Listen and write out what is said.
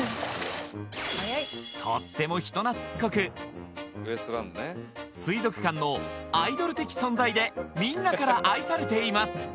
とっても人懐っこく水族館のアイドル的存在でみんなから愛されています